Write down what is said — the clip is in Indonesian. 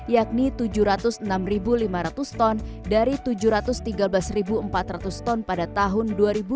yakni tujuh ratus enam lima ratus ton dari tujuh ratus tiga belas empat ratus ton pada tahun dua ribu dua puluh